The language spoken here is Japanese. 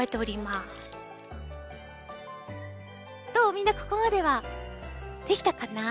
みんなここまではできたかな？